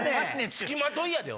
付きまといやで。